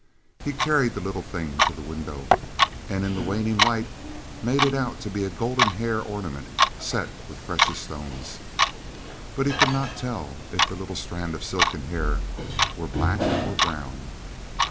He carried the little thing to the window, and in the waning light made it out to be a golden hair ornament set with precious stones, but he could not tell if the little strand of silken hair were black or brown.